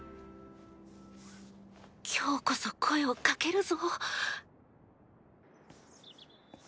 今日こそ声をかけるぞ！